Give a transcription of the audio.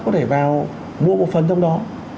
có thể vào mua một phần trong đó